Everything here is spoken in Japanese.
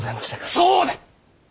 そうだ！